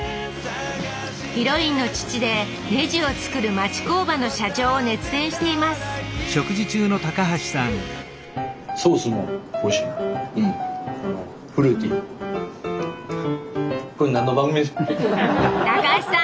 ヒロインの父でネジを作る町工場の社長を熱演しています高橋さん